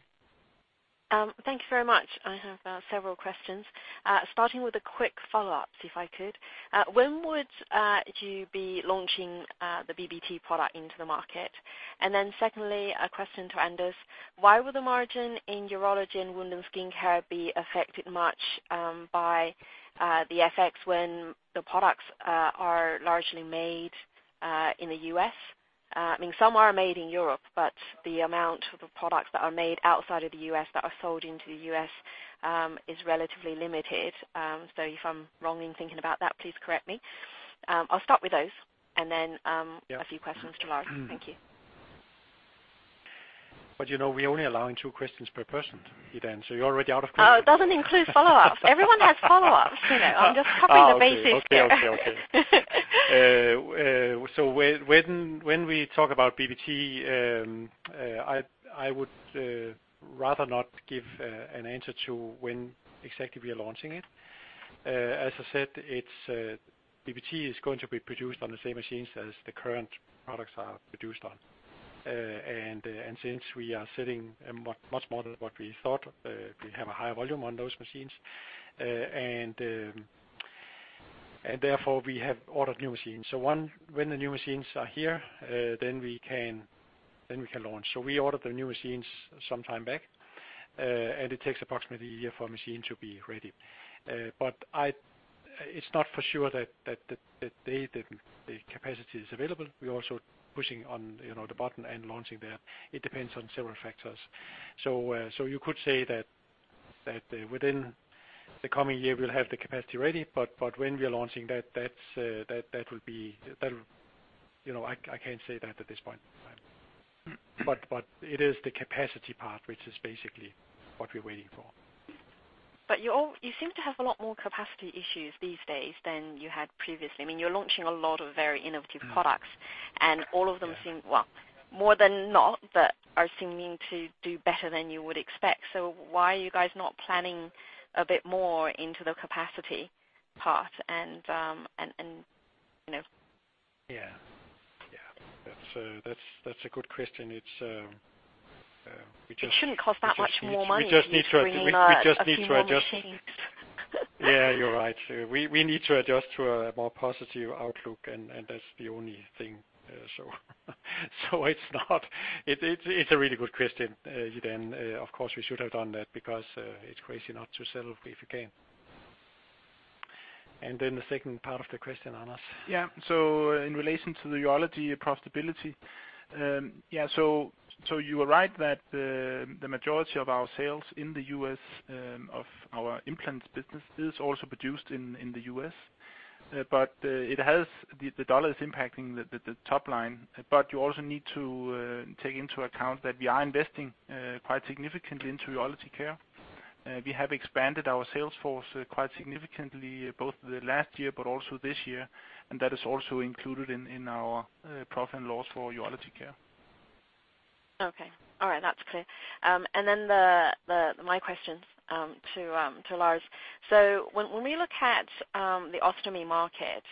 Thank you very much. I have several questions. Starting with a quick follow-up, if I could. When would you be launching the BBT product into the market? Then secondly, a question to Anders: Why would the margin in urology and Wound & Skin Care be affected much by the FX when the products are largely made in the U.S.? I mean, some are made in Europe, but the amount of the products that are made outside of the U.S. that are sold into the U.S. is relatively limited. If I'm wrong in thinking about that, please correct me. I'll start with those, and then. Yeah. A few questions to Lars. Thank you. You know, we're only allowing two questions per person, Yi Dan, so you're already out of questions. Oh, it doesn't include follow-ups? Everyone has follow-ups, you know, I'm just covering the. Okay, okay. When we talk about BBT, I would rather not give an answer to when exactly we are launching it. As I said, BBT is going to be produced on the same machines as the current products are produced on. Since we are selling much, much more than what we thought, we have a higher volume on those machines. Therefore, we have ordered new machines. When the new machines are here, then we can launch. We ordered the new machines some time back, and it takes approximately a year for a machine to be ready. It's not for sure that the capacity is available. We're also pushing on, you know, the button and launching the. It depends on several factors. You could say that within the coming year, we'll have the capacity ready, but when we are launching that's that that'll. You know, I can't say that at this point in time. It is the capacity part, which is basically what we're waiting for. you seem to have a lot more capacity issues these days than you had previously. I mean, you're launching a lot of very innovative products. Mm-hmm. All of them seem, well, more than not, that are seeming to do better than you would expect. Why are you guys not planning a bit more into the capacity part and, you know? Yeah. Yeah, that's a good question. It's. It shouldn't cost that much more money. We just need to. to bring, We just need to adjust. a few more machines. Yeah, you're right. We need to adjust to a more positive outlook, and that's the only thing. So it's a really good question, Yi Dan. Of course, we should have done that, because it's crazy not to sell if you can. The second part of the question, Anders. In relation to the Interventional Urology profitability, you are right that the majority of our sales in the US of our penile implants business is also produced in the US. The dollar is impacting the top line, but you also need to take into account that we are investing quite significantly into Interventional Urology. We have expanded our sales force quite significantly, both the last year but also this year, and that is also included in our P&L for Interventional Urology. Okay. All right, that's clear. My question to Lars: When we look at the ostomy market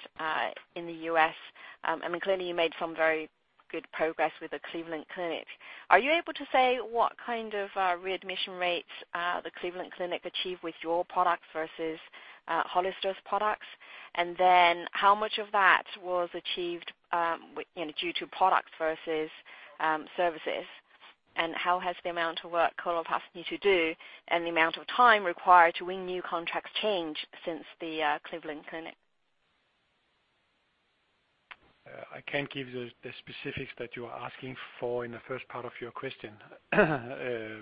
in the U.S., clearly you made some very good progress with the Cleveland Clinic. Are you able to say what kind of readmission rates the Cleveland Clinic achieved with your product versus Hollister's products? How much of that was achieved with, you know, due to product versus services? How has the amount of work Coloplast need to do and the amount of time required to win new contracts changed since the Cleveland Clinic? I can't give the specifics that you are asking for in the first part of your question. There's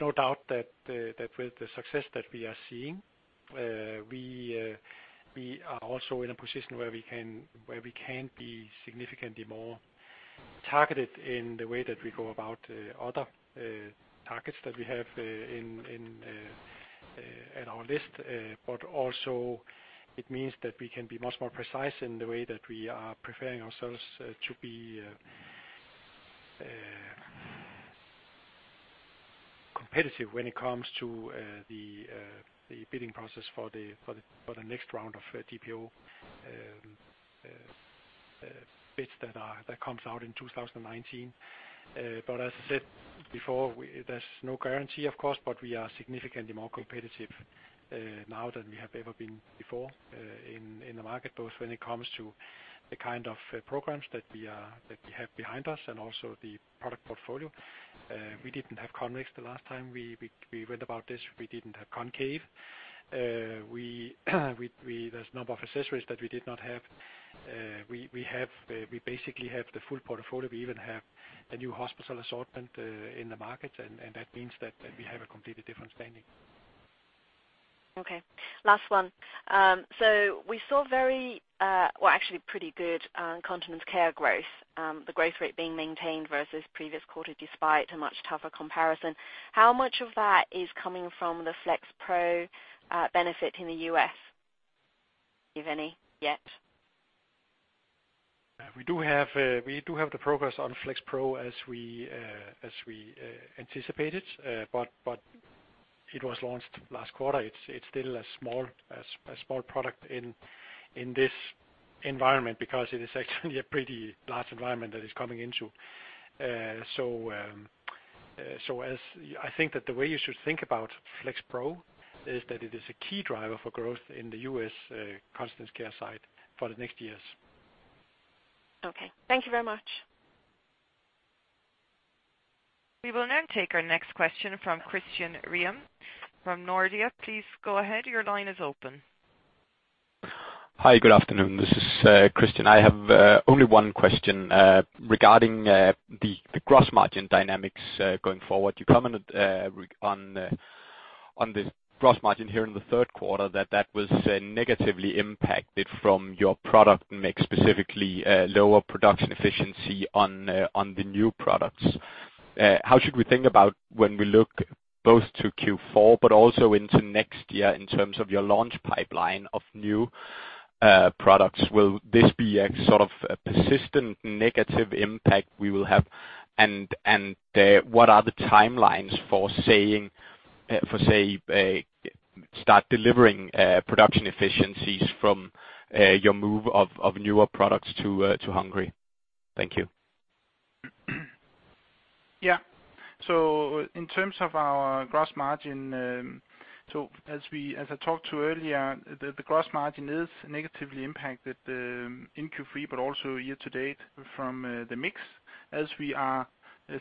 no doubt that with the success that we are seeing, we are also in a position where we can be significantly more targeted in the way that we go about other targets that we have in our list. Also it means that we can be much more precise in the way that we are preparing ourselves to be competitive when it comes to the bidding process for the next round of GPO bids that comes out in 2019. As I said before, there's no guarantee, of course, but we are significantly more competitive now than we have ever been before in the market, both when it comes to the kind of programs that we have behind us and also the product portfolio. We didn't have convex the last time we went about this. We didn't have Concave. We, there's a number of accessories that we did not have. We have, we basically have the full portfolio. We even have the new hospital assortment in the market, and that means that we have a completely different standing. Okay, last one. We saw very, well, actually pretty good Continence Care growth. The growth rate being maintained versus previous quarter, despite a much tougher comparison. How much of that is coming from the FlexPro benefit in the U.S., if any, yet? We do have the progress on FlexPro as we anticipated. It was launched last quarter. It's still a small product in this environment because it is actually a pretty large environment that it's coming into. As I think that the way you should think about FlexPro is that it is a key driver for growth in the U.S. Continence Care side for the next years. Okay. Thank you very much. We will now take our next question from Christian Ryom from Nordea. Please go ahead. Your line is open. Hi, good afternoon. This is Christian. I have only one question regarding the gross margin dynamics going forward. You commented on the gross margin here in the third quarter, that that was negatively impacted from your product mix, specifically lower production efficiency on the new products. How should we think about when we look both to Q4, but also into next year in terms of your launch pipeline of new products? Will this be a sort of a persistent negative impact we will have? What are the timelines for saying, for say, start delivering production efficiencies from your move of newer products to Hungary? Thank you. In terms of our gross margin, as I talked to earlier, the gross margin is negatively impacted in Q3, but also year-to-date from the mix, as we are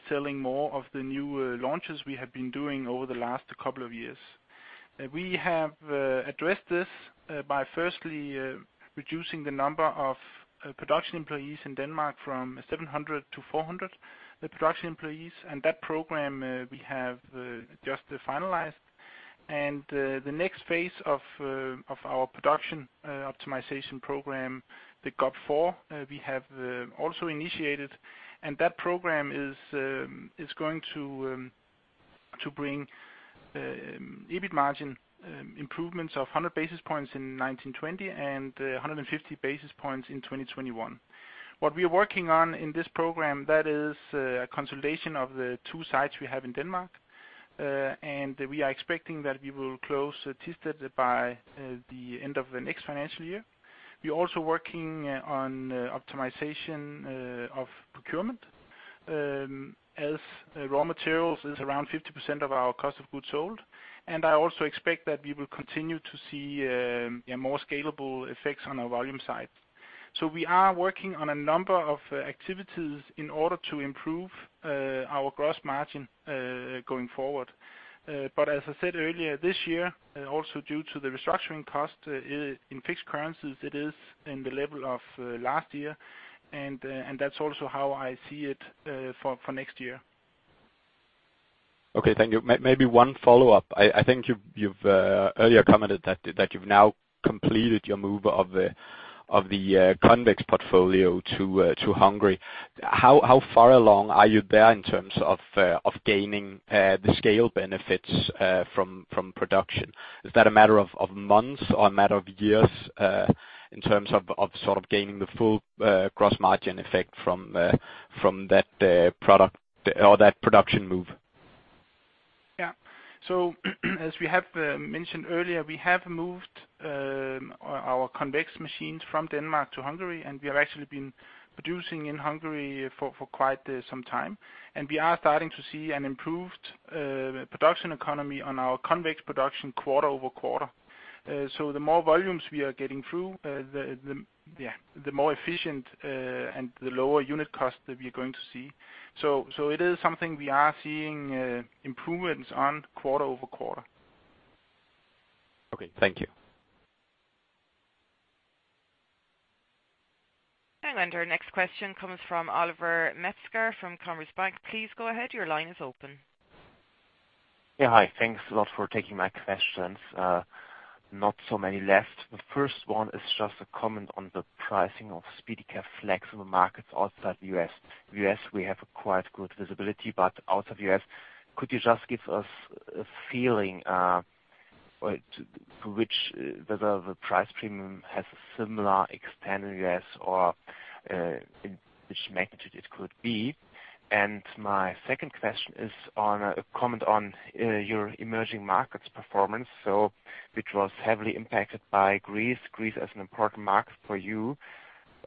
selling more of the new launches we have been doing over the last couple of years. We have addressed this by firstly reducing the number of production employees in Denmark from 700 to 400 production employees, and that program we have just finalized. The next phase of our production optimization program, the GOP IV, we have also initiated, and that program is going to bring EBIT margin improvements of 100 basis points in 1920, and 150 basis points in 2021. What we are working on in this program, that is, consolidation of the two sites we have in Denmark. We are expecting that we will close Thisted by the end of the next financial year. We're also working on optimization of procurement, as raw materials is around 50% of our cost of goods sold. I also expect that we will continue to see a more scalable effects on our volume side. We are working on a number of activities in order to improve our gross margin going forward. As I said earlier, this year, also due to the restructuring cost in fixed currencies, it is in the level of last year. That's also how I see it for next year. Okay, thank you. Maybe one follow-up. I think you've earlier commented that you've now completed your move of the Concave portfolio to Hungary. How far along are you there in terms of gaining the scale benefits from production? Is that a matter of months or a matter of years in terms of sort of gaining the full gross margin effect from that product or that production move? As we have mentioned earlier, we have moved our Concave machines from Denmark to Hungary, and we have actually been producing in Hungary for quite some time. We are starting to see an improved production economy on our Concave production quarter-over-quarter. The more volumes we are getting through, the more efficient and the lower unit cost that we are going to see. It is something we are seeing improvements on quarter-over-quarter. Okay, thank you. Our next question comes from Oliver Metzger from Commerzbank. Please go ahead. Your line is open. Yeah, hi. Thanks a lot for taking my questions. Not so many left. The first one is just a comment on the pricing of SpeediCath flexible markets outside the U.S. We have a quite good visibility, but out of U.S., could you just give us a feeling to which the price premium has a similar expanded U.S. or which magnitude it could be? My second question is on a comment on your emerging markets performance. Which was heavily impacted by Greece. As an important market for you,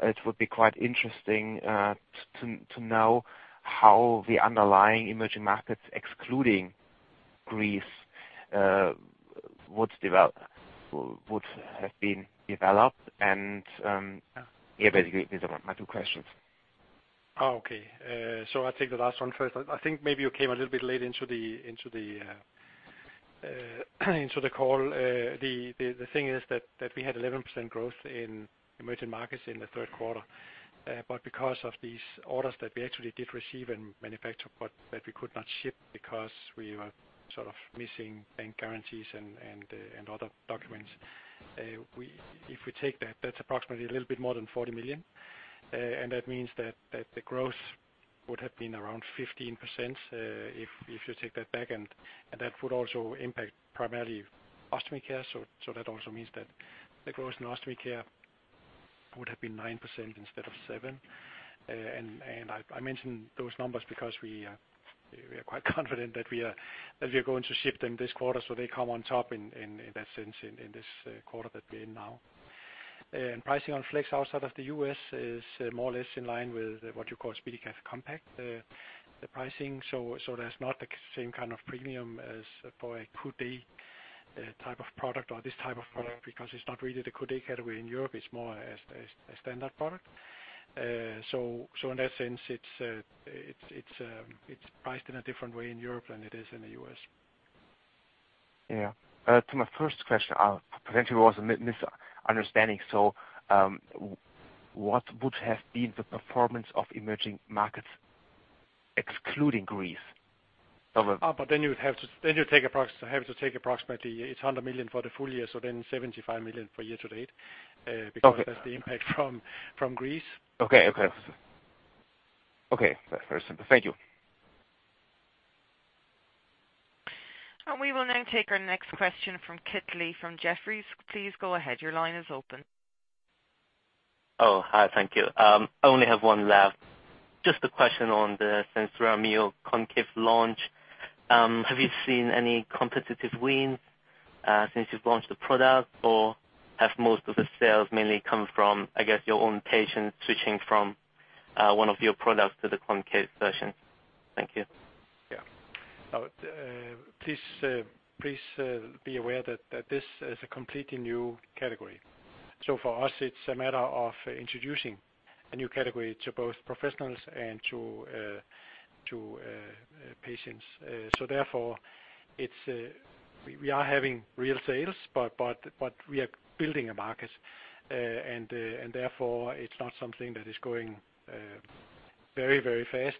it would be quite interesting to know how the underlying emerging markets, excluding Greece, would have been developed. Yeah, basically, these are my two questions. Okay. I'll take the last one first. I think maybe you came a little bit late into the call. The thing is that we had 11% growth in emerging markets in the third quarter. Because of these orders that we actually did receive and manufacture, but that we could not ship because we were sort of missing bank guarantees and other documents. If we take that's approximately a little bit more than 40 million. That means that the growth would have been around 15% if you take that back, and that would also impact primarily Ostomy Care. That also means that the growth in Ostomy Care would have been 9% instead of 7%. I mentioned those numbers because we are quite confident that we are going to ship them this quarter, so they come on top in that sense, in this quarter that we're in now. Pricing on Flex outside of the U.S. is more or less in line with what you call SpeediCath Compact, the pricing. That's not the same kind of premium as for a Coudé type of product or this type of product, because it's not really the Coudé category in Europe, it's more a standard product. In that sense, it's priced in a different way in Europe than it is in the U.S. Yeah. To my first question, potentially was a misunderstanding. What would have been the performance of emerging markets excluding Greece? You'd have to take approximately 800 million for the full year, 75 million for year-to-date. Okay. because that's the impact from Greece. Okay. Okay. Okay, very simple. Thank you. We will now take our next question from Kit Lee from Jefferies. Please go ahead. Your line is open. Oh, hi. Thank you. I only have one left. Just a question on the SenSura Mio Concave launch. Have you seen any competitive wins since you've launched the product? Or have most of the sales mainly come from, I guess, your own patients switching from one of your products to the concave version? Thank you. Please be aware that this is a completely new category. For us, it's a matter of introducing a new category to both professionals and to patients. Therefore, it's we are having real sales, but we are building a market, and therefore, it's not something that is going very, very fast.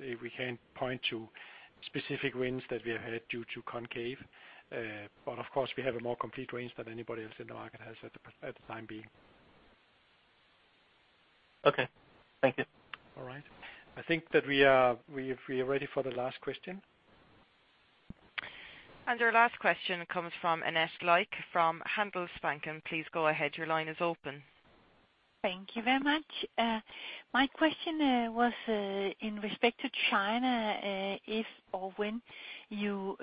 We can't point to specific wins that we have had due to concave. Of course, we have a more complete range than anybody else in the market has at the time being. Okay. Thank you. All right. I think that we are ready for the last question. Our last question comes from Annette Lykke, from Handelsbanken. Please go ahead. Your line is open. Thank you very much. My question was in respect to China, if or when you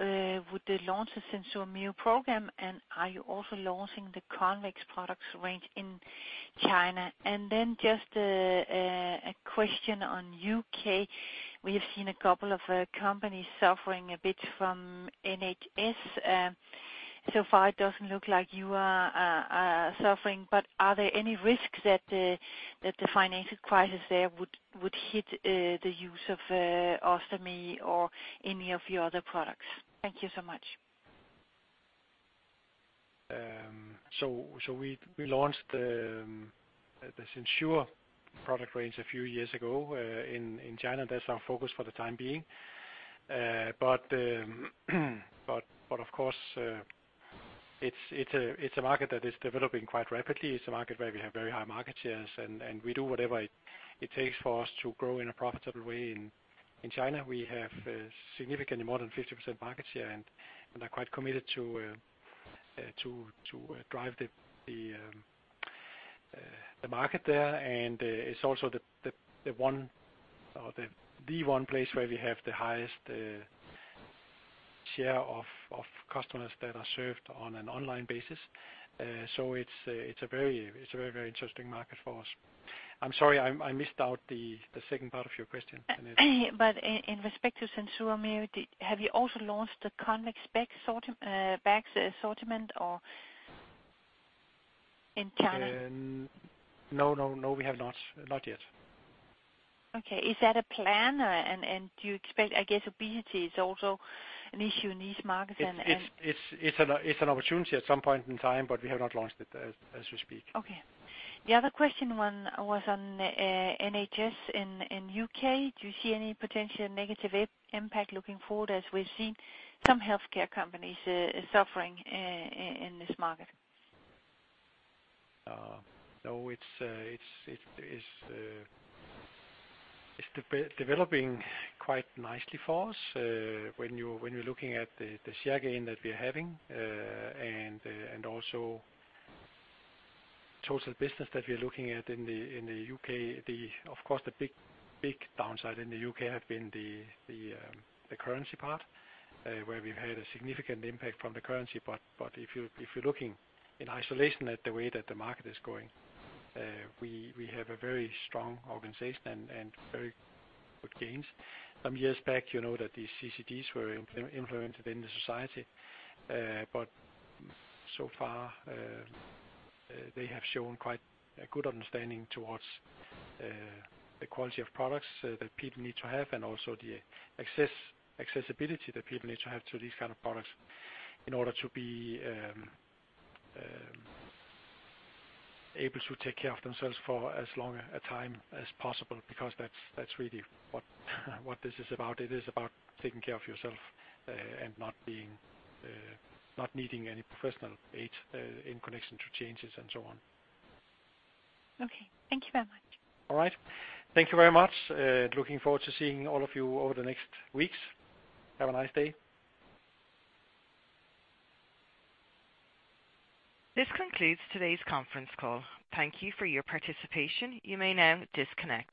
would launch a SenSura Mio program, and are you also launching the convex products range in China? Just a question on U.K. We have seen a couple of companies suffering a bit from NHS. So far it doesn't look like you are suffering, but are there any risks that the financial crisis there would hit the use of Ostomy or any of your other products? Thank you so much. We launched the SenSura product range a few years ago in China. That's our focus for the time being. Of course, it's a market that is developing quite rapidly. It's a market where we have very high market shares, and we do whatever it takes for us to grow in a profitable way. In China, we have significantly more than 50% market share and are quite committed to drive the market there. It's also the one or the one place where we have the highest share of customers that are served on an online basis. It's a very, very interesting market for us. I'm sorry, I missed out the second part of your question, Annette. in respect to SenSura Mio, have you also launched the convex bag bags assortment in China? no, no, we have not. Not yet. Okay. Is that a plan? Do you expect, I guess, obesity is also an issue in these markets and. It's an opportunity at some point in time. We have not launched it as we speak. Okay. The other question one was on NHS in U.K. Do you see any potential negative impact looking forward, as we've seen some healthcare companies suffering in this market? No, it's developing quite nicely for us. When you're looking at the share gain that we're having, and also total business that we're looking at in the U.K. Of course, the big downside in the U.K. have been the currency part, where we've had a significant impact from the currency. If you're looking in isolation at the way that the market is going, we have a very strong organization and very good gains. Some years back, you know, that the CCDs were implemented in the society. So far, they have shown quite a good understanding towards the quality of products that people need to have, and also the accessibility that people need to have to these kind of products in order to be able to take care of themselves for as long a time as possible, because that's really what this is about. It is about taking care of yourself, and not being, not needing any professional aid in connection to changes and so on. Okay. Thank you very much. All right. Thank you very much. Looking forward to seeing all of you over the next weeks. Have a nice day. This concludes today's conference call. Thank you for your participation. You may now disconnect.